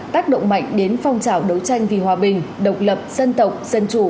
tác động mạnh đến phong trào đấu tranh vì hòa bình độc lập dân tộc dân chủ